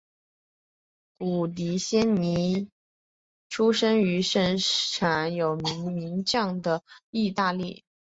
古迪仙尼出生于盛产有名门将的意大利。